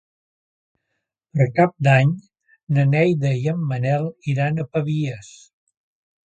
Per Cap d'Any na Neida i en Manel iran a Pavies.